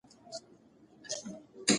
هرځل چې زده کړه اسانه وي، پرېښودل نه ډېرېږي.